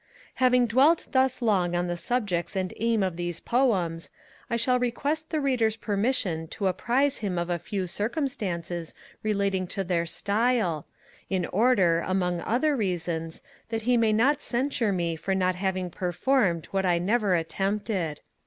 Having dwelt thus long on the subjects and aim of these Poems, I shall request the Reader's permission to apprise him of a few circumstances relating to their style, in order, among other reasons, that he may not censure me for not having performed what I never attempted.